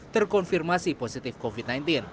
terkonfirmasi positif covid sembilan belas